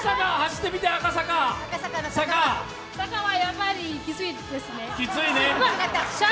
坂はやっぱりきついですね。